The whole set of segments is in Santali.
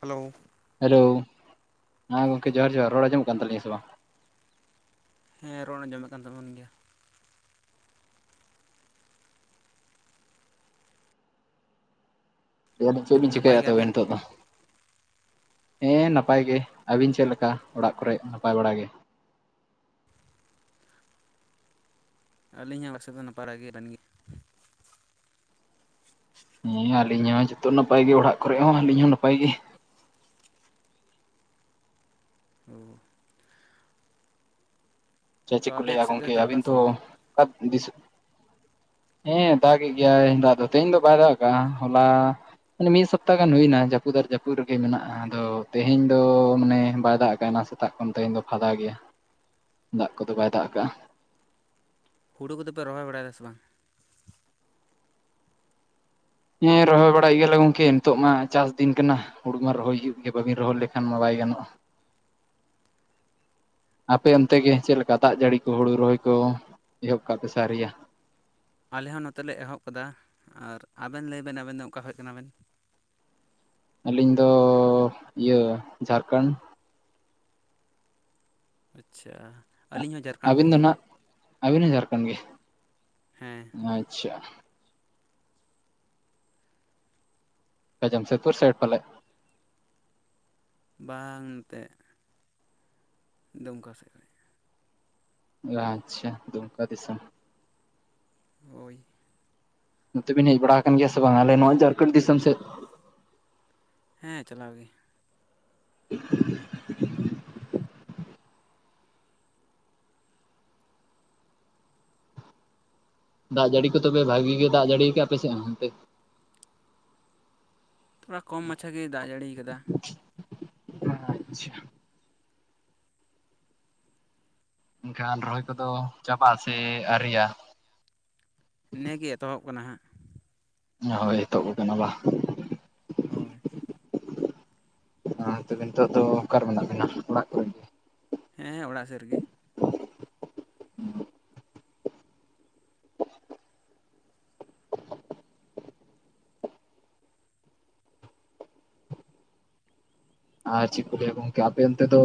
ᱦᱮᱞᱳᱻ ᱦᱮᱞᱳᱻ, ᱦᱮᱸ ᱜᱚᱝᱠᱮ ᱡᱚᱸᱦᱟᱨ ᱡᱚᱸᱦᱟᱨ ᱨᱚᱲ ᱟᱸᱡᱚᱢᱚᱜ ᱠᱟᱱ ᱛᱟᱞᱤᱧᱟ ᱥᱮ ᱵᱟᱝ? ᱦᱮᱸ ᱨᱚᱲ ᱟᱸᱡᱚᱢ ᱚᱜ ᱟᱠᱱ ᱛᱟᱵᱚᱱ ᱜᱮᱭᱟ᱾ ᱞᱟᱹᱭᱮᱫ ᱟᱞᱤᱧ ᱪᱮᱫ ᱵᱤᱱ ᱱᱟᱯᱟᱭ ᱪᱤᱠᱟᱭᱟ ᱛᱚᱵᱮ ᱜᱮᱭᱟᱵᱮᱱ ᱱᱤᱛᱚᱜ ᱫᱚ? ᱦᱮᱸ ᱱᱟᱯᱟᱭ ᱜᱮ ᱟᱹᱵᱤᱱ ᱪᱮᱫ ᱞᱮᱠᱟ, ᱚᱲᱟᱜ ᱠᱚᱨᱮ ᱱᱟᱯᱟᱭ ᱵᱟᱲᱟᱜᱮ? ᱟᱹᱞᱤᱧᱟᱜ ᱥᱮᱫ ᱫᱚ ᱱᱟᱯᱟᱲᱟᱭ ᱜᱤ ᱵᱮᱱ ᱜᱤ? ᱦᱮᱸ ᱟᱹᱞᱤᱧ ᱦᱚᱸ ᱡᱚᱛᱚ ᱱᱟᱯᱟᱭ ᱜᱮ ᱚᱲᱟᱜ ᱠᱚᱨᱮ ᱦᱚᱸ ᱟᱹᱞᱤᱧ ᱦᱚᱸ ᱱᱟᱯᱟᱭ ᱜᱤ᱾ ᱳ ᱟᱪᱷᱟ ᱛᱚ ᱪᱮᱫ ᱠᱚ ᱟᱯᱮ ᱞᱟᱹᱭᱟ ᱥᱮᱫ ᱜᱚᱝᱠᱮ ᱫᱚᱭ ᱫᱟᱜ ᱟᱹᱵᱤᱱ ᱮᱫᱟ ᱥᱮ ᱛᱷᱚ ᱵᱟᱝ ᱚᱠ ᱫᱤᱥ ᱦᱮᱸ ᱫᱟᱜᱮᱫ ᱜᱮᱭᱟᱭ ᱫᱟᱜ ᱫᱚ ᱛᱮᱦᱮᱧ ᱫᱚ ᱵᱟᱭ ᱫᱟᱜ ᱟᱠᱟᱜ-ᱟ ᱦᱚᱞᱟ᱾ ᱢᱟᱱᱮ ᱢᱤᱫ ᱥᱚᱯᱛᱟ ᱜᱟᱱ ᱦᱩᱭᱱᱟ ᱡᱟᱹᱯᱩᱫ ᱟᱨ ᱡᱟᱹᱯᱩᱫ ᱨᱮᱜᱮ ᱢᱮᱱᱟᱜᱼᱟ, ᱟᱫᱚ ᱛᱮᱦᱮᱧ ᱫᱚ ᱢᱟᱱᱮ ᱵᱟᱭ ᱫᱟᱜ ᱟᱠᱟᱭᱱᱟ ᱥᱮ ᱛᱟᱜ ᱠᱷᱚᱱ ᱛᱮᱦᱮᱧ ᱫᱚ ᱯᱷᱟᱫᱟ ᱜᱮᱭᱟ᱾ ᱫᱟᱜ ᱠᱚᱫᱚ ᱵᱟᱭ ᱫᱟᱜ ᱟᱠᱟᱜᱼᱟ᱾ ᱦᱩᱲᱩ ᱠᱚᱫᱚᱯᱮ ᱨᱚᱦᱚᱭ ᱵᱟᱲᱟᱭᱫᱟ ᱥᱮ ᱵᱟᱝ? ᱦᱮᱸ ᱨᱚᱦᱚᱭ ᱵᱟᱲᱟᱭ ᱜᱮᱭᱟᱞᱮ ᱜᱚᱝᱠᱮ ᱱᱤᱛᱚᱜᱢᱟ ᱪᱟᱥ ᱫᱤᱱ ᱠᱟᱱᱟ, ᱦᱩᱲᱩ ᱠᱚᱢᱟ ᱨᱚᱦᱚᱭ ᱦᱩᱭᱩᱜ ᱜᱮᱭᱟ ᱵᱟᱹᱵᱤᱱ ᱨᱚᱦᱚᱲ ᱞᱮᱠᱷᱟᱱ ᱢᱟ ᱵᱟᱭ ᱜᱟᱱᱚᱜᱼᱟ᱾ [unintelligible] ᱟᱯᱮ ᱚᱱᱛᱮ ᱜᱮᱮ ᱪᱮᱫ ᱞᱮᱠᱟ, ᱫᱟᱜ ᱡᱟᱹᱲᱤ ᱠᱚ ᱦᱩᱲᱩ ᱨᱚᱦᱚᱭ ᱠᱚ ᱮᱦᱚᱵ ᱠᱟᱜ ᱠᱚ ᱥᱮ ᱟᱹᱣᱨᱤᱭᱟ? ᱟᱞᱮ ᱦᱚᱸ ᱱᱚᱛᱮ ᱞᱮ ᱮᱦᱚᱵ ᱠᱟᱫᱟ ᱟᱨ ᱟᱵᱮᱱ ᱞᱟᱹᱭ ᱵᱮᱱ ᱟᱵᱮᱱ ᱫᱚ ᱚᱠᱟ ᱠᱷᱚᱡᱽ ᱠᱟᱱᱟ ᱵᱮᱱ? ᱟᱹᱞᱤᱧ ᱫᱚᱻ ᱤᱭᱟᱹ ᱡᱷᱟᱨᱠᱷᱟᱸᱰ ᱟᱪᱪᱷᱟ ᱟᱹᱞᱤᱧ ᱦᱚᱸ ᱡᱟᱨ ᱟᱹᱵᱤᱱ ᱫᱚ ᱱᱟᱜ ᱟᱹᱵᱤᱱ ᱦᱚᱸ ᱡᱷᱟᱨᱠᱷᱟᱸᱰ ᱜᱮ ᱦᱮᱸ ᱟᱪᱪᱷᱟ ᱚᱠᱟ ᱡᱟᱢᱥᱮᱫᱽᱯᱩᱨ ᱥᱟᱭᱤᱰ ᱯᱟᱞᱮᱜ ᱵᱟᱝ ᱱᱚᱛᱮ ᱫᱩᱢᱠᱟ ᱥᱮᱫ ᱨᱮ ᱟᱪᱪᱷᱟ ᱫᱩᱢᱠᱟ ᱫᱤᱥᱚᱢ ᱦᱳᱭ ᱱᱚᱛᱮ ᱵᱤᱱ ᱦᱮᱡ ᱵᱟᱲᱟ ᱟᱠᱟᱱ ᱜᱮᱭᱟ ᱥᱮ ᱵᱟᱝ ᱟᱞᱮ ᱱᱚᱣᱟ ᱡᱷᱟᱨᱠᱷᱚᱸᱰ ᱫᱤᱥᱚᱢ ᱥᱮᱫ? ᱦᱮᱸ ᱪᱟᱞᱟᱣ ᱜᱮ [unintelligible] ᱫᱟᱜ ᱡᱟᱹᱲᱤ ᱠᱚ ᱛᱚᱵᱮ ᱵᱷᱟᱜᱤ ᱜᱮ ᱫᱟᱜ ᱡᱟᱹᱲᱤ ᱭᱟᱠᱟᱜᱼᱟ ᱟᱯᱮᱥᱮᱫ ᱦᱚᱸ ᱦᱟᱱᱛᱮ ᱛᱷᱚᱲᱟ ᱠᱚᱢ ᱢᱟᱪᱷᱟ ᱜᱮᱭ ᱫᱟᱜ ᱡᱟᱹᱲᱤ ᱭᱟᱠᱟᱫᱟ᱾ ᱟᱪᱪᱷᱟ ᱮᱱᱠᱷᱟᱸ ᱧᱤᱛᱚᱜ ᱫᱚ ᱪᱟᱵᱟᱜ ᱥᱮ ᱟᱹᱭᱨᱤᱭᱟ? ᱱᱮ ᱜᱮ ᱮᱛᱚᱦᱚᱵ ᱠᱟᱱᱟ ᱦᱟᱸᱜ᱾ ᱦᱳᱭ ᱮᱛᱚᱦᱚᱵ ᱠᱟᱱᱟ ᱵᱟ᱾ ᱦᱳᱭ᱾ ᱚᱸ ᱛᱚᱵᱮ ᱱᱤᱛᱚᱜ ᱫᱚ ᱚᱠᱟᱨᱮ ᱢᱮᱱᱟᱜ ᱵᱤᱱᱟ ᱚᱲᱟᱜ ᱠᱚᱨᱮ? ᱦᱮᱸ ᱚᱲᱟᱜ ᱥᱮᱜ ᱨᱮᱜᱮ᱾ ᱟᱨ ᱪᱮᱜ ᱠᱚ ᱞᱟᱹᱭᱟ ᱜᱚᱝᱠᱮ ᱟᱯᱮ ᱚᱱᱛᱮ ᱫᱚ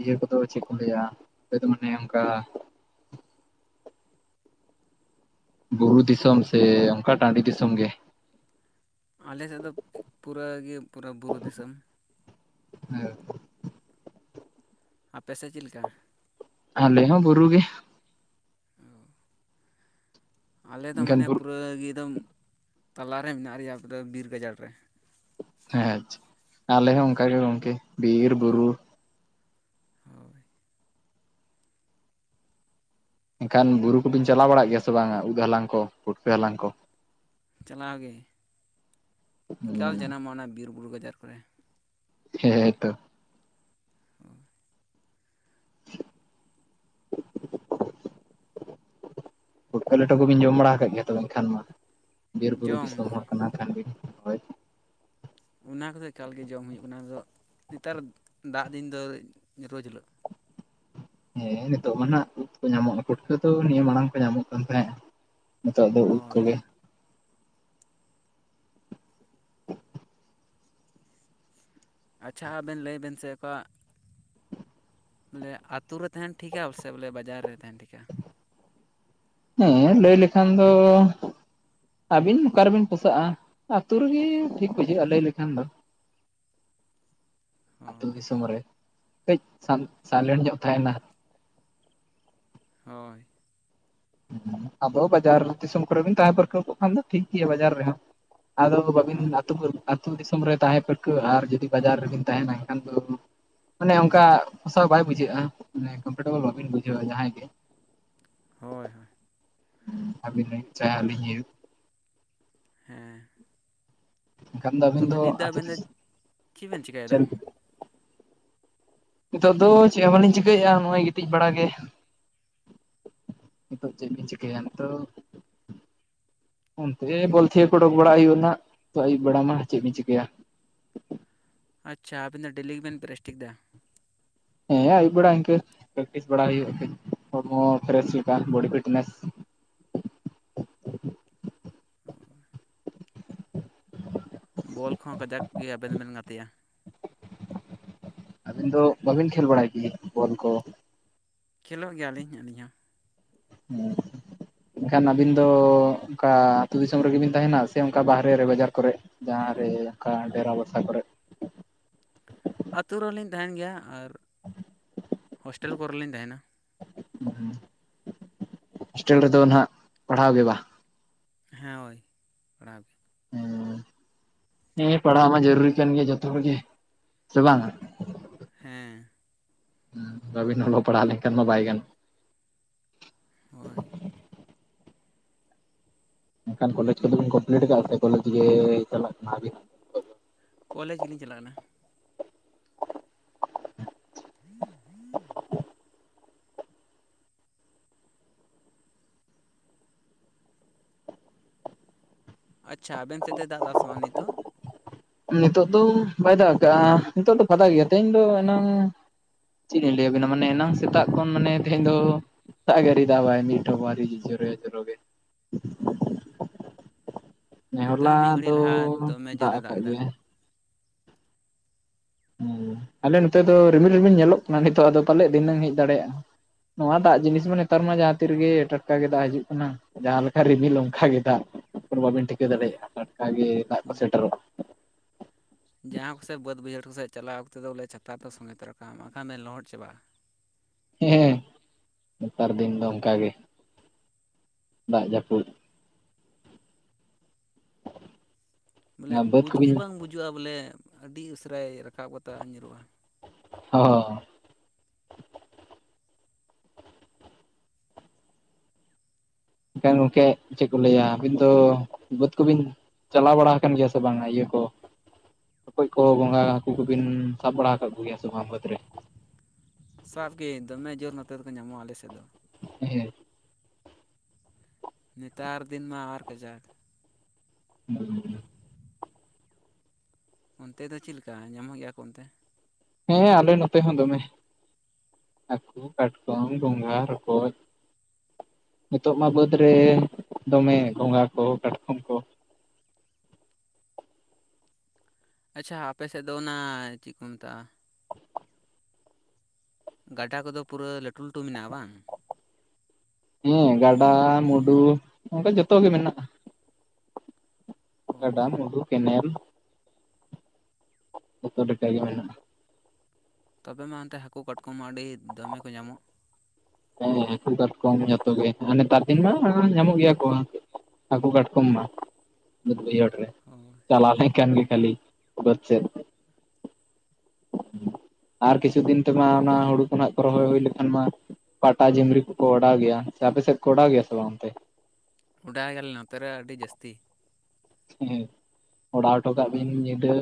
ᱤᱭᱟᱹ ᱠᱚᱫᱚ ᱪᱮᱜ ᱠᱚ ᱞᱟᱹᱭᱟ ᱟᱯᱮ ᱫᱚ ᱢᱟᱱᱮ ᱚᱝᱠᱟ ᱵᱩᱨᱩ ᱫᱤᱥᱚᱢ ᱥᱮ ᱚᱝᱠᱟ ᱴᱟᱺᱰᱤ ᱫᱤᱥᱚᱢ ᱜᱮ? ᱟᱞᱮ ᱥᱮᱜ ᱫᱚ ᱯᱩᱨᱟᱹ ᱜᱮ ᱯᱩᱨᱟᱹ ᱵᱩᱨᱩ ᱫᱤᱥᱟᱹᱢ᱾ [inaudible] ᱟᱯᱮ ᱥᱮᱜ ᱪᱤᱫ ᱞᱮᱠᱟ? ᱟᱞᱮ ᱦᱚᱸ ᱵᱩᱨᱩ ᱜᱮ᱾ ᱚᱸ ᱟᱞᱮ ᱫᱚ ᱮᱱᱠᱷᱟᱱ ᱢᱟᱱᱮ ᱵᱩᱨᱩ ᱯᱩᱨᱟᱹ ᱜᱤᱫᱚᱢ ᱛᱟᱞᱟᱨᱮ ᱢᱮᱱᱟᱜ ᱞᱮᱭᱟ [unintelligible] ᱵᱤᱨ ᱜᱟᱡᱟᱲ ᱨᱮ᱾ ᱦᱮᱸ ᱟᱸᱪᱷ ᱟᱞᱮ ᱦᱚᱸ ᱚᱝᱠᱟ ᱜᱮ ᱜᱚᱝᱠᱮ ᱵᱤᱨ ᱵᱩᱨᱩ ᱦᱳᱭ᱾ ᱮᱱᱠᱷᱟᱱ ᱵᱩᱨᱩ ᱠᱩᱵᱤᱱ ᱪᱟᱞᱟᱣ ᱵᱟᱲᱟᱜ ᱜᱮᱭᱟ ᱥᱮ ᱵᱟᱝᱟ ᱩᱫ ᱦᱟᱞᱟᱝ ᱠᱚ ᱯᱩᱴᱠᱟᱹ ᱦᱟᱞᱟᱝ ᱠᱚ? ᱪᱟᱞᱟᱣ ᱜᱮ, ᱮᱠᱟᱞ ᱡᱟᱱᱟᱢᱚᱜᱼᱟ ᱚᱱᱟ ᱵᱤᱨᱼᱵᱩᱨᱩ ᱜᱟᱡᱟᱨ ᱠᱚᱨᱮ᱾ ᱦᱮᱸᱛᱚ᱾ ᱚᱭ ᱯᱩᱴᱠᱟᱹ ᱞᱮᱴᱚ ᱠᱚᱵᱤᱱ ᱡᱚᱢ ᱵᱟᱲᱟᱣ ᱠᱟᱜ ᱜᱮᱭᱟ ᱛᱚᱵᱮ ᱮᱱᱠᱷᱟᱱ ᱢᱟ ᱵᱤᱨᱼᱵᱩᱨᱩ ᱡᱚᱢ ᱫᱤᱥᱚᱢ ᱜᱮ ᱦᱚᱲ ᱠᱟᱱᱟ ᱠᱷᱟᱱ ᱵᱤᱱ? ᱦᱳᱭ ᱚᱱᱟ ᱠᱚᱫᱚ ᱮᱠᱟᱞ ᱜᱮ ᱡᱚᱢ ᱦᱩᱭᱩᱜ ᱠᱟᱱᱟ ᱟᱫᱚ ᱱᱮᱛᱟᱨ ᱫᱟᱜ ᱫᱤᱱ ᱫᱚ ᱨᱳᱡᱽ ᱦᱤᱞᱳᱜ᱾ ᱦᱮᱸ ᱱᱤᱛᱚᱜ ᱢᱟ ᱱᱟᱦᱜ ᱩᱫ ᱠᱚ ᱧᱟᱢᱚᱜ ᱯᱩᱴᱠᱟᱹ ᱛᱚ ᱱᱤᱭᱟᱹ ᱢᱟᱲᱟᱝ ᱠᱚ ᱧᱟᱢᱚᱜ ᱠᱟᱱ ᱛᱟᱦᱮᱸᱜ᱾ ᱱᱤᱛᱚᱜ ᱫᱚ ᱩᱫ ᱦᱳᱭ ᱠᱚᱜᱮ [inaudible] ᱟᱪᱪᱷᱟ ᱟᱵᱮᱱ ᱞᱟᱹᱭ ᱵᱮᱱ ᱥᱮ ᱚᱠᱟ ᱵᱚᱞᱮ ᱟᱛᱩ ᱨᱮ ᱛᱟᱦᱮᱱ ᱴᱷᱤᱠᱟ ᱥᱮ ᱵᱚᱞᱮ ᱵᱟᱡᱟᱨ ᱨᱮ ᱛᱟᱦᱮᱱ ᱴᱷᱤᱠᱟ? ᱦᱮᱸ ᱞᱟᱹᱭ ᱞᱮᱠᱷᱟᱱ ᱫᱚ ᱟᱹᱵᱤᱱ ᱚᱠᱟ ᱨᱮᱵᱤᱱ ᱯᱳᱥᱟᱜᱼᱟ ᱟᱛᱩ ᱨᱮᱜᱮ ᱴᱷᱤᱠ ᱵᱩᱡᱷᱟᱹᱜᱼᱟ ᱞᱟᱹᱭ ᱞᱮᱠᱷᱟᱱ ᱫᱚ᱾ ᱟᱛᱩ ᱦᱳᱭ ᱫᱤᱥᱚᱢ ᱨᱮ ᱠᱟᱹᱡᱽ ᱥᱟᱱ ᱥᱟᱭᱞᱮᱱᱴ ᱧᱚᱸᱜ ᱛᱟᱦᱮᱱᱟ᱾ ᱦᱳᱭ᱾ ᱟᱫᱚ ᱵᱟᱡᱟᱨ ᱫᱤᱥᱚᱢ ᱠᱚᱨᱮ ᱵᱤᱱ ᱛᱟᱦᱮᱸ ᱯᱟᱹᱨᱠᱟᱹᱣ ᱠᱚᱜ ᱠᱷᱟᱱ ᱫᱚ ᱴᱷᱤᱠ ᱜᱮᱭᱟ ᱵᱟᱡᱟᱨ ᱨᱮᱦᱚᱸ᱾ ᱟᱫᱚ ᱵᱚ ᱵᱟᱵᱤᱱ ᱦᱳᱭ ᱟᱛᱩ ᱠᱚ [inaudible] ᱛᱩ ᱫᱤᱥᱚᱢ ᱨᱮ ᱛᱟᱦᱮᱸ ᱯᱟᱹᱨᱠᱟᱹᱣ ᱟᱨ ᱡᱩᱫᱤ ᱵᱟᱡᱟᱨ ᱨᱮᱵᱤᱱ ᱛᱟᱦᱮᱱᱟ ᱮᱱᱠᱷᱟᱱ ᱫᱚ ᱢᱟᱱᱮ ᱚᱝᱠᱟ ᱯᱚᱥᱟᱣ ᱵᱟᱭ ᱵᱩᱡᱷᱟᱹᱜᱼᱟ ᱢᱟᱱᱮ ᱠᱚᱢᱯᱷᱴᱮᱵᱚᱞ ᱵᱟᱹᱵᱤᱱ ᱵᱩᱡᱷᱟᱹᱣᱟ ᱡᱟᱦᱟᱸᱭ ᱜᱮ᱾ ᱦᱳᱭ ᱦᱳᱭ᱾ ᱟᱵᱤᱱ [unintelligible] ᱦᱮᱸ᱾ ᱮᱱᱠᱷᱟᱱ ᱫᱚ ᱟᱹᱵᱤᱱ ᱛᱚᱵᱮ ᱱᱤᱛ ᱫᱚ ᱟᱹᱛᱩ ᱟᱵᱤᱱ ᱫᱚ ᱫᱤᱥᱚᱢ ᱪᱮᱜ ᱵᱤᱱ ᱪᱮᱠᱟᱭᱫᱟ? ᱪᱟᱹᱞ᱾ ᱧᱤᱛᱚᱜ ᱫᱚ ᱪᱮᱜ ᱦᱚᱸ ᱵᱟᱹᱞᱤᱧ ᱪᱤᱠᱟᱹᱭᱮᱜᱼᱟ ᱱᱚᱜᱼᱚᱭ ᱜᱤᱛᱤᱡ ᱵᱟᱲᱟ ᱜᱮ᱾ ᱱᱤᱛᱚᱜ ᱪᱮᱜ ᱵᱤᱱ ᱪᱤᱠᱟᱭᱟ ᱱᱤᱛᱚᱜ? ᱚᱱᱛᱮ ᱵᱚᱞ ᱡᱷᱮ ᱠᱚ ᱚᱰᱩᱠ ᱵᱟᱲᱟ ᱦᱩᱭᱩᱜᱼᱟ ᱱᱟᱦᱜ ᱛᱚ ᱟᱹᱭᱩᱵ ᱵᱮᱲᱟ ᱢᱟ ᱪᱮᱜ ᱵᱤᱱ ᱪᱤᱠᱟᱹᱭᱟ? ᱟᱪᱪᱷᱟ ᱟᱵᱤᱱ ᱫᱚ ᱰᱮᱞᱤ ᱜᱮᱵᱮᱱ ᱯᱨᱮᱥᱴᱷᱤᱠᱫᱟ? ᱦᱮᱸ ᱟᱹᱭᱩᱵ ᱵᱮᱲᱟ ᱤᱝᱠᱟᱹ ᱯᱨᱮᱠᱴᱤᱥ ᱵᱟᱲᱟ ᱦᱩᱭᱩᱜᱼᱟ ᱠᱟᱹᱡ ᱦᱚᱲᱢᱚ ᱯᱷᱨᱮᱥ ᱞᱮᱠᱟ ᱵᱚᱰᱤ ᱯᱷᱤᱴᱱᱮᱥ᱾ [inaudible] ᱵᱚᱞ ᱠᱚᱦᱚᱸ ᱠᱟᱡᱟᱠ ᱜᱮ ᱟᱵᱮᱱ ᱫᱚᱵᱮᱱ ᱜᱟᱛᱮᱜ-ᱟ᱾ ᱟᱹᱵᱤᱱ ᱫᱚ ᱵᱟᱹᱵᱤᱱ ᱠᱷᱮᱞ ᱵᱟᱲᱟᱭ ᱜᱮᱭᱟ ᱵᱚᱞ ᱠᱚ, ᱠᱷᱮᱞᱳᱜ ᱜᱮᱭᱟ ᱞᱤᱧ ᱟᱹᱞᱤᱧ ᱦᱚᱸ ᱦᱮᱸ ᱮᱱᱠᱷᱟᱱ ᱟᱹᱵᱤᱱ ᱫᱚ ᱚᱱᱠᱟ ᱟᱹᱛᱩ ᱫᱤᱥᱚᱢ ᱨᱮᱜᱮ ᱵᱤᱱ ᱛᱟᱦᱮᱱᱟ ᱥᱮ ᱚᱱᱠᱟ ᱵᱟᱦᱨᱮ ᱨᱮ ᱵᱟᱡᱟᱨ ᱠᱚᱨᱮᱜ? ᱡᱟᱦᱟᱸ ᱨᱮ ᱚᱱᱠᱟ ᱰᱮᱨᱟ ᱵᱟᱥᱟ ᱠᱚᱨᱮᱜ ᱟᱹᱛᱩ ᱨᱮᱦᱚᱸ ᱞᱤᱧ ᱛᱟᱦᱮᱱ ᱜᱮᱭᱟ ᱟᱨ ᱦᱳᱥᱴᱮᱞ ᱠᱚᱨᱮ ᱞᱤᱧ ᱛᱟᱦᱮᱱᱟ᱾ ᱦᱳᱥᱴᱮᱞ ᱨᱮᱫᱚ ᱱᱟᱦᱟᱸᱜ ᱯᱟᱲᱦᱟᱣ ᱜᱮ ᱵᱟ? ᱦᱮᱸ ᱦᱳᱭ ᱯᱟᱲᱦᱟᱣ ᱜᱮ᱾ ᱦᱮᱸ ᱯᱟᱲᱦᱟᱣ ᱢᱟ ᱡᱟᱹᱨᱩᱨᱤ ᱠᱟᱱ ᱜᱮᱭᱟ ᱡᱚᱛᱚ ᱦᱚᱲ ᱜᱮ ᱥᱮ ᱵᱟᱝᱟ, ᱦᱮᱸ ᱦᱩᱸ ᱵᱟᱹᱵᱤᱱ ᱚᱞᱚᱜ ᱯᱟᱲᱦᱟᱣ ᱞᱮᱱᱠᱷᱟᱱ ᱢᱟ ᱵᱟᱭ ᱜᱟᱱᱚᱜ, ᱦᱳᱭ ᱮᱱᱠᱷᱟᱱ ᱠᱚᱞᱮᱡᱽ ᱠᱚᱫᱚ‌ᱵᱤᱱ ᱠᱚᱢᱯᱞᱤᱴ ᱟᱠᱟᱜ-ᱟ ᱥᱮ ᱠᱚᱞᱮᱡᱽ ᱜᱮ ᱪᱟᱞᱟᱜ ᱠᱟᱱᱟ ᱵᱤᱱ ᱠᱚᱞᱮᱡᱽ ᱜᱮᱞᱤᱧ ᱪᱟᱞᱟᱜ ᱠᱟᱱᱟ ᱦᱮᱸ ᱦᱮᱸ [unintelligible] ᱟᱪᱪᱷᱟ ᱟᱵᱮᱱ ᱥᱮᱫ ᱫᱚᱭ ᱫᱟᱜ ᱮᱫᱟ ᱥᱮ ᱵᱟᱝ ᱱᱤᱛᱚᱜ ᱱᱤᱛᱳᱜ ᱫᱚ ᱵᱟᱭ ᱫᱟᱜ ᱠᱟᱜ-ᱟ ᱱᱤᱛᱚᱜ ᱫᱚ ᱯᱷᱟᱫᱟ ᱜᱮᱭᱟ ᱛᱮᱦᱮᱧ ᱫᱚ ᱮᱱᱟᱝ ᱪᱮᱫ ᱞᱤᱧ ᱞᱟᱹᱭ ᱟᱵᱮᱱᱟ ᱢᱟᱱᱮ ᱮᱱᱟᱝ ᱥᱮᱛᱟᱜ ᱠᱷᱚᱱ ᱢᱟᱱᱮ ᱛᱮᱦᱮᱧ ᱫᱚ ᱫᱟᱜ ᱜᱮ ᱟᱣᱨᱤᱭ ᱫᱟᱜ ᱟᱭ ᱢᱤᱴ ᱴᱷᱚᱯ ᱦᱚᱸ ᱟᱣᱨᱤᱭ ᱡᱚᱨᱚᱭᱟ ᱡᱚᱨᱚ ᱜᱮ ᱚ ᱱᱚᱛᱮ ᱦᱚᱸ ᱢᱤᱫ ᱦᱚᱞᱟ ᱜᱷᱟᱹᱲᱤᱡ ᱫᱚ ᱞᱟᱦᱟ ᱫᱚᱢᱮ ᱡᱳᱨ ᱮ ᱫᱟᱜ ᱟᱠᱟᱫ ᱠᱮᱫᱟ᱾ ᱜᱮᱭᱟᱭ ᱦᱮᱸ ᱟᱞᱮ ᱱᱚᱛᱮ ᱫᱚ ᱨᱤᱢᱤᱞ ᱨᱤᱢᱤᱞ ᱧᱮᱞᱚᱜ ᱠᱟᱱᱟ ᱱᱤᱛᱚᱜ ᱟᱫᱚ ᱯᱟᱞᱮᱫ ᱫᱷᱤᱱᱟᱹᱝ ᱦᱮᱡ ᱫᱟᱲᱮᱭᱟᱜ-ᱟ᱾ ᱱᱚᱣᱟ ᱫᱟᱜ ᱡᱤᱱᱤᱥ ᱢᱟ ᱱᱮᱛᱟᱨ ᱢᱟ ᱡᱟᱦᱟᱸ ᱛᱤᱱ ᱨᱮᱜᱮ ᱴᱟᱴᱠᱟ ᱜᱮ ᱫᱟᱜ ᱦᱤᱡᱩᱜ ᱠᱟᱱᱟ᱾ ᱡᱟᱦᱟᱸ ᱞᱮᱠᱟ ᱨᱤᱢᱤᱞ ᱚᱱᱠᱟ ᱜᱮ ᱫᱟᱜ, ᱵᱟᱹᱵᱤᱱ ᱴᱷᱤᱠᱟᱹ ᱦᱳᱭ ᱫᱟᱲᱮᱭᱟᱜ-ᱟ ᱴᱟᱴᱠᱟᱜᱮ ᱫᱟᱜ ᱠᱚ ᱥᱮᱴᱮᱨᱚᱜ-ᱟ᱾ ᱡᱟᱦᱟᱸ ᱠᱚᱥᱮᱫ ᱵᱟᱹᱫᱽ ᱵᱟᱹᱭᱦᱟᱹᱲ ᱠᱚ ᱥᱮᱫ ᱪᱟᱞᱟᱜ ᱚᱠᱛᱚ ᱫᱚ ᱵᱚᱞᱮ ᱪᱷᱟᱛᱟ ᱫᱚ ᱥᱚᱸᱜᱮ ᱛᱚᱨᱟ ᱠᱟᱜ ᱢᱟ ᱵᱟᱠᱷᱟᱱ ᱵᱮᱱ ᱞᱚᱦᱚᱫ ᱪᱟᱵᱟᱜ-ᱟ᱾ ᱦᱮᱸ ᱱᱮᱛᱟᱨ ᱫᱤᱱ ᱫᱚ ᱚᱱᱠᱟ ᱜᱮ, ᱫᱟᱜ ᱡᱟᱹᱯᱩᱫ ᱵᱚᱞᱮ ᱵᱟᱹᱫᱽ ᱵᱩᱡᱽ ᱜᱮ ᱠᱚᱵᱤᱱ ᱵᱟᱝ ᱵᱩᱡᱩᱜ-ᱟ ᱵᱚᱞᱮ ᱟᱹᱰᱤ ᱩᱥᱟᱹᱨᱟᱭ ᱨᱟᱠᱟᱵ ᱠᱟᱛᱮ ᱫᱟᱜ ᱧᱩᱨᱩᱜ-ᱟ᱾ ᱚ ᱮᱱᱠᱷᱟᱱ ᱜᱚᱝᱠᱮ ᱪᱮᱫ ᱠᱚ ᱞᱟᱹᱭᱟ ᱟᱹᱵᱤᱱ ᱫᱚ ᱵᱟᱹᱫᱽ ᱠᱚᱵᱤᱱ ᱪᱟᱞᱟᱣ ᱵᱟᱲᱟ ᱟᱠᱟᱱ ᱜᱮᱭᱟ ᱥᱮ ᱵᱟᱝᱟ ᱤᱭᱟᱹ ᱠᱚ, ᱨᱚᱠᱚᱡ ᱠᱚ ᱜᱚᱝᱜᱷᱟ ᱦᱟᱹᱠᱩ ᱠᱚᱵᱤᱱ ᱥᱟᱵ ᱵᱟᱲᱟ ᱟᱠᱟᱜ ᱠᱚᱜᱮᱭᱟ ᱥᱮ ᱵᱟᱝ ᱵᱟᱹᱫᱽ ᱨᱮ, ᱥᱟᱵ ᱜᱮ ᱫᱚᱢᱮ ᱡᱳᱨ ᱱᱚᱛᱮ ᱫᱚᱠᱚ ᱧᱟᱢᱚᱜ-ᱟ ᱟᱞᱮ ᱥᱮᱫ ᱫᱚ᱾ ᱦᱮᱸᱜ ᱮ ᱱᱮᱛᱟᱨ ᱫᱤᱱ ᱢᱟ ᱟᱨ ᱠᱟᱡᱟᱠᱽ ᱦᱩᱸ ᱚᱱᱛᱮ ᱫᱚ ᱪᱮᱫ ᱞᱮᱠᱟ ᱧᱟᱢᱚᱜ ᱜᱮᱭᱟ ᱠᱚ ᱚᱱᱛᱮ? ᱦᱮᱸ ᱟᱞᱮ ᱱᱚᱛᱮ ᱦᱚᱸ ᱫᱚᱢᱮ᱾ ᱦᱟᱹᱠᱩ, ᱠᱟᱴᱠᱚᱢ, ᱜᱚᱝᱜᱷᱟ, ᱨᱚᱠᱚᱡ ᱱᱤᱛᱚᱜ ᱢᱟ ᱵᱟᱹᱫᱽ ᱨᱮ ᱫᱚᱢᱮ ᱜᱚᱝᱜᱷᱟ ᱠᱚ ᱠᱟᱴᱠᱚᱢ ᱠᱚ᱾ ᱟᱪᱪᱷᱟ ᱟᱯᱮ ᱥᱮᱫ ᱫᱚ ᱚᱱᱟ ᱪᱮᱫ ᱠᱚ ᱢᱮᱛᱟᱜ-ᱟ ᱜᱟᱰᱟ ᱠᱚᱫᱚ ᱯᱩᱨᱟᱹ ᱞᱟᱹᱴᱩ ᱞᱟᱹᱴᱩ ᱢᱮᱱᱟᱜ-ᱟ ᱵᱟᱝ? ᱦᱮᱸ ᱜᱟᱰᱟ ᱢᱩᱸᱰᱩ ᱚᱱᱠᱟ ᱡᱚᱛᱚ ᱜᱮ ᱢᱮᱱᱟᱜ-ᱟ᱾ ᱚ ᱜᱟᱰᱟ, ᱢᱩᱸᱰᱩ, ᱠᱮᱱᱮᱞ᱾ ᱡᱚᱛᱚ ᱞᱮᱠᱟᱜᱮ ᱢᱮᱱᱟᱜᱼᱟ᱾ ᱛᱚᱵᱮ ᱢᱟ ᱚᱱᱛᱮ ᱦᱟᱹᱠᱩ ᱠᱟᱴᱠᱚᱢ ᱢᱟ ᱟᱹᱰᱤ ᱫᱚᱢᱮ ᱠᱚ ᱧᱟᱢᱚᱜ᱾ ᱦᱮᱸ ᱦᱟᱠᱩ ᱠᱟᱴᱠᱚᱢ ᱡᱚᱛᱚ ᱜᱮ ᱟᱨ ᱱᱮᱛᱟᱨ ᱫᱤᱱ ᱢᱟ ᱧᱟᱢᱚᱜ ᱜᱮᱭᱟ ᱠᱚ᱾ ᱦᱟᱹᱠᱩ ᱠᱟᱴᱠᱚᱢ ᱢᱟ ᱵᱟᱹᱫᱽ ᱵᱟᱹᱭᱦᱟᱹᱲ ᱨᱮ᱾ ᱦᱳᱭ ᱪᱟᱞᱟᱣ ᱞᱮᱱ ᱠᱷᱟᱱ ᱜᱮ ᱠᱷᱟᱹᱞᱤ ᱵᱟᱹᱫᱽ ᱠᱷᱮᱛ ᱟᱨ ᱠᱤᱪᱷᱩ ᱫᱤᱱ ᱛᱮᱢᱟ ᱚᱱᱟ ᱦᱩᱲᱩ ᱠᱷᱚᱱᱟᱜ ᱠᱚ ᱨᱚᱦᱚᱭ ᱦᱩᱭ ᱞᱮᱠᱷᱟᱱ ᱢᱟ ᱯᱟᱴᱟ ᱡᱚᱢᱨᱤ ᱠᱚᱠᱚ ᱚᱰᱟᱣ ᱜᱮᱭᱟ ᱥᱮ ᱟᱯᱮ ᱥᱮᱫ ᱠᱚ ᱚᱰᱟᱣ ᱜᱮᱭᱟ ᱥᱮ ᱵᱟᱝᱛᱮ? ᱚᱰᱟᱭᱟ ᱞᱮ ᱱᱚᱛᱮ ᱨᱮ ᱟᱹᱰᱤ ᱡᱟᱹᱥᱛᱤ᱾ ᱦᱮᱸ ᱚᱰᱟᱣ ᱦᱚᱴᱚ ᱠᱟᱜ ᱵᱤᱱ ᱧᱤᱫᱟᱹ᱾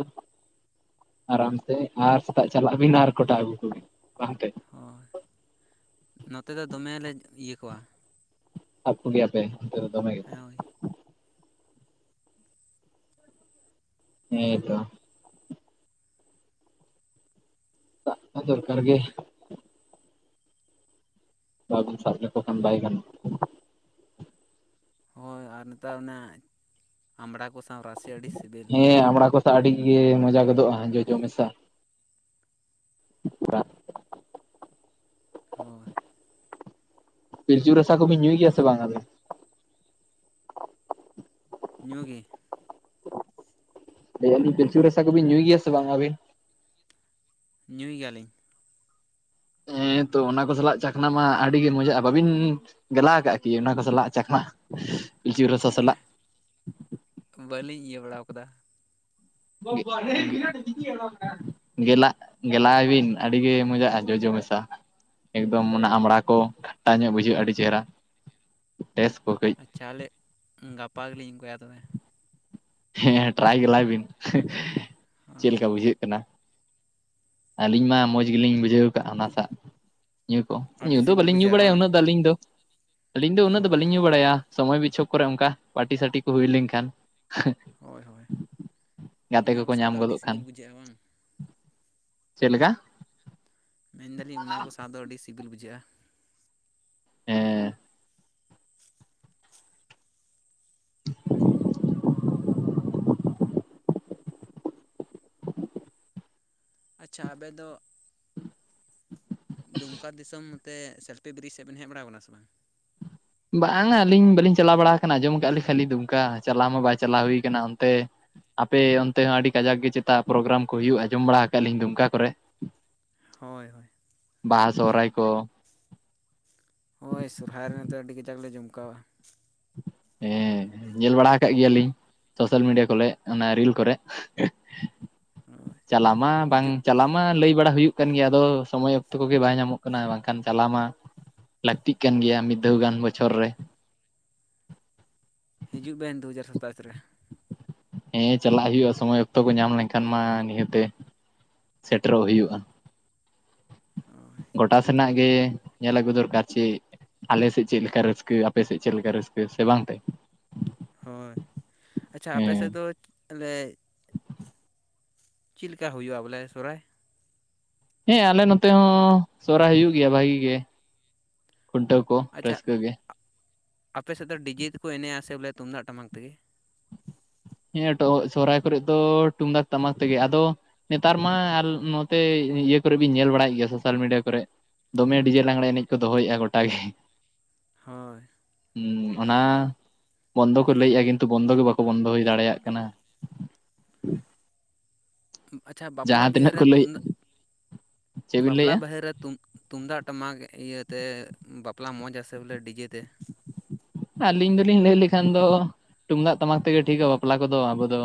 ᱟᱨᱟᱢ ᱥᱮ ᱟᱨ ᱥᱮᱛᱟᱜ ᱪᱟᱞᱟᱜ ᱵᱤᱱ ᱟᱨ ᱠᱚᱴᱟ ᱟᱹᱜᱩ ᱠᱚᱜᱤᱱ᱾ ᱵᱟᱝᱛᱮ ᱦᱳᱭ ᱱᱚᱛᱮ ᱫᱚ ᱫᱚᱢᱮᱞ ᱞᱮ ᱤᱭᱟᱹ ᱠᱚᱣᱟ᱾ ᱥᱟᱵᱽ ᱠᱚᱜᱮᱭᱟ ᱯᱮ ᱚᱱᱛᱮ ᱨᱮ ᱫᱚᱢᱮ ᱦᱮᱸ ᱦᱳᱭ ᱦᱮ ᱛᱚ ᱫᱟᱜ ᱦᱚ ᱫᱚᱨᱠᱟᱨ ᱜᱮ᱾ ᱵᱟᱵᱚᱱ ᱥᱟᱵ ᱞᱮᱠᱚ ᱠᱷᱟᱱ ᱵᱟᱭ ᱜᱟᱱᱚᱜᱼᱟ᱾ ᱦᱳᱭ ᱟᱨ ᱱᱮᱛᱟᱨ ᱚᱱᱟ ᱟᱢᱲᱟ ᱠᱚ ᱥᱟᱶ ᱨᱟᱥᱮ ᱟᱹᱰᱤ ᱥᱤᱵᱤᱞ᱾ ᱦᱮᱸ ᱟᱢᱲᱟ ᱠᱚ ᱟᱹᱰᱤ ᱜᱮ ᱢᱚᱡᱟ ᱜᱚᱫᱚᱜᱼᱟ ᱡᱚᱡᱚ ᱢᱮᱥᱟ᱾ [unintelligible] ᱦᱳᱭ ᱯᱤᱞᱪᱩ ᱨᱟᱥᱟ ᱠᱚᱵᱤᱱ ᱧᱩᱭ ᱜᱮᱭᱟ ᱥᱮ ᱵᱟᱝ ᱟᱵᱮᱱ? ᱧᱩ ᱜᱮ᱾ ᱞᱟᱹᱭ ᱫᱟᱞᱤᱧ ᱯᱤᱞᱪᱩ ᱨᱟᱥᱟ ᱠᱚᱵᱤᱱ ᱧᱩᱭ ᱜᱮᱭᱟ ᱥᱮ ᱵᱟᱝ ᱟᱹᱵᱤᱱ? ᱧᱩᱭ ᱜᱮᱭᱟ ᱞᱤᱧ᱾ ᱦᱮᱸ ᱛᱚ ᱚᱱᱟ ᱠᱚ ᱥᱟᱞᱟᱜ ᱪᱟᱠᱷᱱᱟ ᱢᱟ ᱟᱹᱰᱤᱜᱮ ᱢᱚᱡᱟᱜᱼᱟ, ᱵᱟᱹᱵᱤᱱ ᱜᱟᱞᱟ ᱠᱟᱜ ᱠᱤ ᱚᱱᱟ ᱠᱚ ᱥᱟᱞᱟᱜ ᱪᱟᱠᱷᱱᱟ ᱯᱤᱞᱪᱩ ᱨᱚᱥᱚ ᱥᱟᱞᱟᱜ᱾ ᱵᱟᱹᱞᱤᱧ ᱤᱭᱟᱹ ᱵᱟᱲᱟᱣ ᱟᱠᱟᱫᱟ᱾ [unintelligible] ᱡᱮᱞᱟ ᱜᱮᱞᱟᱭ ᱵᱤᱱ ᱟᱹᱰᱤ ᱜᱮ ᱢᱚᱡᱟᱜᱼᱟ ᱡᱚᱡᱚ ᱢᱮᱥᱟ᱾ ᱮᱠᱫᱚᱢ ᱚᱱᱟ ᱟᱢᱲᱟ ᱠᱚ ᱠᱷᱟᱴᱟ ᱧᱚᱜ ᱵᱩᱡᱷᱟᱹᱜᱼᱟ ᱟᱹᱰᱤ ᱪᱮᱦᱨᱟ ᱵᱮᱥ ᱠᱚ ᱠᱟᱹᱡ᱾ ᱟᱪᱪᱷᱟ ᱦᱚᱞᱮ ᱜᱟᱯᱟ ᱜᱮᱞᱤᱧ ᱚᱱᱠᱟᱭᱟ ᱛᱚᱵᱮ᱾ ᱦᱮᱸ ᱴᱨᱟᱭ ᱜᱮᱞᱟᱭ ᱵᱤᱱ ᱪᱮᱫ ᱦᱳᱭ ᱞᱮᱠᱟ ᱵᱩᱡᱷᱟᱹᱜ ᱠᱟᱱᱟ᱾ ᱟᱹᱞᱤᱧ ᱢᱟ ᱢᱚᱪ ᱜᱮᱞᱤᱧ ᱵᱩᱡᱷᱟᱹᱣ ᱟᱠᱟᱜ ᱚᱱᱟᱥᱟ᱾ ᱧᱩ ᱠᱚ ᱧᱩ ᱟᱹᱰᱤ ᱫᱚ ᱥᱤᱵᱤᱞ ᱵᱟᱹᱞᱤᱧ ᱧᱩ ᱵᱩᱡᱷᱟᱹᱜᱼᱟ ᱵᱟᱲᱟᱭᱟ ᱵᱟᱝ ᱩᱱᱟᱹᱜ ᱫᱚ ᱟᱹᱞᱤᱧ ᱫᱚ ᱟᱹᱞᱤᱧ ᱫᱚ ᱚ ᱩᱱᱟᱹᱜ ᱫᱚ ᱵᱟᱹᱞᱤᱧ ᱧᱩ ᱵᱟᱲᱟᱭᱟ᱾ ᱥᱚᱢᱚᱭ ᱵᱤᱪᱷᱚᱠ ᱠᱚᱨᱮ ᱚᱱᱠᱟ ᱯᱟᱴᱤ ᱥᱟᱴᱤ ᱠᱚ ᱦᱩᱭ ᱞᱮᱱᱠᱷᱟᱱ᱾ ᱦᱳᱭ ᱦᱳᱭ ᱜᱟᱛᱮ ᱚᱱᱟ ᱠᱚ ᱠᱚᱠᱚ ᱥᱟᱶ ᱫᱚ ᱧᱟᱢ ᱟᱹᱰᱤ ᱜᱚᱫᱚᱜ ᱠᱷᱟᱱ᱾ ᱥᱤᱵᱤᱞ ᱵᱩᱡᱷᱟᱹᱜᱼᱟ ᱵᱟᱝ ᱪᱮᱜ ᱞᱮᱠᱟ? ᱢᱮᱱᱫᱟᱞᱤᱧ ᱚᱱᱟ ᱠᱚ ᱥᱟᱣ ᱫᱚ ᱟᱹᱰᱤ ᱥᱤᱵᱤᱞ ᱵᱩᱡᱷᱟᱹᱜᱼᱟ᱾ ᱦᱮᱸ ᱟᱪᱪᱷᱟ ᱟᱵᱮ ᱫᱚ ᱫᱩᱢᱠᱟ ᱫᱤᱥᱚᱢ ᱛᱮ ᱥᱮᱞᱯᱷᱤ ᱵᱨᱤᱡᱽ ᱥᱮᱫ ᱵᱮᱱ ᱦᱮᱡ ᱵᱟᱲᱟᱟᱣ ᱟᱠᱟᱱᱟ ᱥᱮ ᱵᱟᱝ ᱵᱟᱝ ᱟᱹᱞᱤᱧ ᱵᱟᱹᱞᱤᱧ ᱪᱟᱞᱟᱣ ᱵᱟᱲᱟ ᱟᱠᱟᱱᱟ ᱟᱸᱡᱚᱢ ᱟᱠᱟᱫ ᱞᱤᱧ ᱠᱷᱟᱹᱞᱤ ᱫᱩᱢᱠᱟ ᱪᱟᱞᱟᱣ ᱢᱟ ᱵᱟᱭ ᱪᱟᱞᱟᱣ ᱦᱩᱭᱠ ᱚᱱᱛᱮ᱾ ᱟᱯᱮ ᱚᱱᱛᱮ ᱦᱚᱸ ᱟᱹᱰᱤ ᱠᱟᱡᱟᱠ ᱜᱮ ᱪᱮᱛᱟ ᱯᱨᱳᱜᱨᱟᱢ ᱠᱚ ᱦᱩᱭᱩᱜᱼᱟ ᱟᱡᱚᱢ ᱵᱟᱲᱟ ᱟᱠᱟᱟᱜ ᱞᱤᱧ ᱫᱩᱢᱠᱟ ᱠᱚᱨᱮ᱾ ᱦᱚᱭ ᱦᱚᱭ ᱵᱟᱦᱟ ᱥᱚᱦᱨᱟᱭ ᱠᱚ᱾ ᱦᱳᱭ ᱥᱚᱨᱦᱟᱭ ᱨᱮ ᱱᱫᱚ ᱟᱹᱰᱤ ᱜᱟᱡᱟᱠ ᱞᱮ ᱡᱚᱢᱠᱟᱣᱼᱟ᱾ ᱦᱮᱸ ᱧᱮᱞ ᱵᱟᱲᱟ ᱠᱟᱜ ᱜᱮᱭᱟᱞᱤᱧ᱾ ᱥᱳᱥᱟᱞ ᱢᱤᱰᱤᱭᱟ ᱠᱚᱨᱮ ᱚᱱᱟ ᱨᱤᱞ ᱠᱚᱨᱮ ᱦᱳᱭ ᱪᱟᱞᱟᱜ ᱢᱟ ᱵᱟᱝ ᱦᱤᱡᱩᱜ ᱪᱟᱞᱟ ᱢᱟ ᱞᱟᱹᱭ ᱵᱟᱲᱟ ᱦᱩᱭᱩᱜ ᱠᱟᱱ ᱜᱮᱭᱟ ᱟᱫᱚ ᱥᱚᱢᱚᱭ ᱚᱠᱛᱚ ᱠᱚᱜᱮ ᱵᱟᱭ ᱧᱟᱢᱚᱜ ᱠᱟᱱᱟ ᱵᱟᱝᱠᱷᱟᱱ ᱪᱟᱞᱟᱣ ᱢᱟ ᱞᱟᱹᱠᱛᱤᱜ ᱠᱟᱱ ᱜᱮᱭᱟ ᱢᱤᱫ ᱫᱷᱷᱟᱣ ᱜᱟᱱ ᱵᱚᱪᱷᱚᱨ ᱨᱮ᱾ ᱦᱤᱡᱩᱜ ᱵᱮᱱ ᱫᱩ ᱦᱟᱡᱟᱨ ᱥᱟᱛᱟᱥ ᱨᱮ᱾ ᱦᱮᱸ ᱪᱟᱞᱟᱜ ᱦᱩᱭᱩᱜᱼᱟ ᱥᱚᱢᱚᱭ ᱚᱠᱛᱚ ᱠᱚ ᱧᱟᱢ ᱞᱮᱱᱠᱷᱟᱱ ᱢᱟ ᱱᱤᱦᱟᱹᱛᱮ ᱥᱮᱴᱮᱨᱚᱜ ᱦᱩᱭᱩᱜᱼᱟ᱾ ᱦᱚᱭ᱾ ᱜᱚᱴᱟ ᱥᱮᱱᱟᱜ ᱜᱮ ᱧᱮᱞ ᱟᱹᱜᱩ ᱫᱚᱨᱠᱟᱨ ᱪᱮᱫ᱾ ᱟᱞᱮ ᱥᱮᱫ ᱪᱮᱫ ᱞᱮᱠᱟ ᱨᱟᱹᱥᱠᱟᱹ ᱟᱯᱮ ᱥᱮᱫ ᱪᱮᱫ ᱞᱮᱠᱟ ᱨᱟᱹᱥᱠᱟᱹ ᱥᱮ ᱵᱟᱝᱛᱮ᱾ ᱦᱳᱭ ᱟᱪᱪᱷᱟ ᱟᱯᱮ ᱦᱮᱸ ᱥᱮᱜ ᱫᱚ ᱞᱮ ᱪᱮᱫ ᱞᱮᱠᱟ ᱦᱩᱭᱩᱜᱼᱟ ᱵᱚᱞᱮ ᱥᱚᱦᱨᱟᱭ? ᱦᱮᱸ ᱟᱞᱮ ᱱᱚᱛᱮ ᱦᱚᱸ ᱥᱚᱦᱨᱟᱭ ᱦᱩᱭᱩᱜ ᱜᱮᱭᱟ ᱵᱷᱟᱜᱤ ᱜᱮ ᱠᱷᱩᱱᱴᱟᱹᱣ ᱠᱚ ᱟᱪᱪᱷᱟ ᱨᱟᱹᱥᱠᱟᱹ ᱜᱮ᱾ ᱟᱯᱮ ᱥᱮᱫ ᱫᱚ ᱰᱤᱡᱮ ᱛᱮᱠᱚ ᱮᱱᱮᱜᱼᱟ ᱥᱮ ᱵᱚᱞᱮ ᱛᱩᱢᱫᱟᱜ ᱴᱟᱢᱟᱠ ᱛᱮᱜᱮ? ᱦᱮᱸ ᱥᱚᱦᱨᱟᱭ ᱠᱚᱨᱮᱜ ᱫᱚ ᱛᱩᱢᱫᱟᱜ ᱴᱟᱢᱟᱠ ᱛᱮᱜᱮ, ᱟᱫᱚ ᱱᱮᱛᱟᱨ ᱢᱟ ᱱᱚᱛᱮ ᱤᱭᱟᱹ ᱠᱚᱨᱮ ᱵᱤᱱ ᱧᱮᱞ ᱵᱟᱲᱟᱭᱮᱫ ᱜᱮᱭᱟ ᱥᱳᱥᱟᱞ ᱢᱤᱰᱤᱭᱟ ᱠᱚᱨᱮ ᱫᱚᱢᱮ ᱰᱤᱡᱮ ᱞᱟᱸᱟᱜᱽᱲᱮ ᱮᱱᱮᱡ ᱠᱚ ᱫᱚᱦᱚᱭᱮᱜᱼᱟ ᱜᱚᱴᱟ ᱜᱮ᱾ ᱦᱳᱭ ᱦᱩᱸ ᱚᱱᱟ ᱵᱚᱱᱫᱚ ᱠᱚ ᱞᱟᱹᱭᱼᱟ ᱠᱤᱱᱛᱩ ᱵᱚᱱᱫᱚ ᱜᱮ ᱵᱟᱠᱚ ᱵᱚᱱᱫᱚᱭ᱾ ᱫᱟᱲᱮᱭᱟᱜ ᱠᱟᱱᱟ᱾ ᱟᱪᱪᱷᱟ ᱵᱟᱯᱞᱟ ᱡᱟᱦᱟᱸ ᱵᱤᱦᱟᱹᱨ ᱛᱤᱱᱟᱹᱜ ᱨᱮ ᱠᱚ ᱞᱟᱹᱭ ᱛᱩᱢᱫᱟᱜ ᱪᱮᱫ ᱵᱤᱱ ᱵᱟᱯᱞᱟ ᱞᱟᱹᱭᱮᱫᱼᱟ ᱵᱤᱦᱟᱹᱨᱮ ᱛᱩᱢᱫᱟᱜ ᱴᱟᱢᱟᱠ ᱤᱭᱟᱹᱛᱮ ᱵᱟᱯᱞᱟ ᱢᱚᱡᱽ ᱟᱥᱮ ᱵᱚᱞᱮ ᱰᱤᱡᱮ ᱛᱮ? ᱟᱹᱞᱤᱧ ᱫᱚᱞᱤᱧ ᱞᱟᱹᱭ ᱞᱮᱠᱷᱟᱱ ᱫᱚ ᱛᱩᱢᱫᱟᱜ ᱴᱟᱢᱟᱠ ᱛᱮᱜᱮ ᱴᱷᱤᱠᱟ ᱵᱟᱯᱞᱟ ᱠᱚᱫᱚ ᱟᱵᱚ ᱫᱚ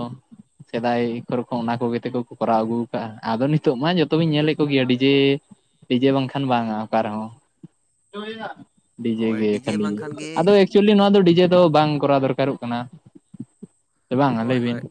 ᱥᱮᱫᱟᱭ ᱠᱷᱨᱮ ᱠᱷᱚᱱ ᱚᱱᱟ ᱠᱚᱜᱮ ᱛᱮ ᱠᱚ ᱠᱚᱨᱟᱣ ᱟᱹᱜᱩ ᱟᱠᱟᱟᱜᱼᱟ ᱟᱫᱚ ᱱᱤᱛᱚᱜ ᱢᱟ ᱡᱚᱛᱚᱵᱤᱧ ᱧᱮᱞᱮᱫ ᱠᱚᱜᱮᱭᱟ ᱰᱤᱡᱮ ᱯᱤᱡᱮ ᱵᱟᱝᱠᱷᱟᱱ ᱵᱟᱝ-ᱟ ᱚᱠᱟ ᱨᱮᱦᱚᱸ [unintelligible] ᱰᱤᱡᱮ ᱦᱳᱭ ᱜᱮ ᱠᱷᱟᱹᱞᱤ ᱵᱟᱝᱠᱷᱟᱱ ᱜᱮ ᱟᱫᱚ ᱮᱠᱪᱩᱭᱞᱤ ᱱᱚᱣᱟ ᱫᱚ ᱰᱤᱡᱮ ᱫᱚ ᱵᱟᱝ ᱠᱚᱨᱟᱣ ᱫᱚᱨᱠᱟᱨᱚᱜ ᱠᱟᱱᱟ ᱥᱮ ᱵᱟᱝᱼᱟ ᱞᱟᱹᱭ ᱦᱳᱭ ᱵᱤᱱ᱾ ᱦᱳᱭ